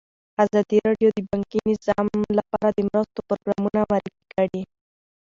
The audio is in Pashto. ازادي راډیو د بانکي نظام لپاره د مرستو پروګرامونه معرفي کړي.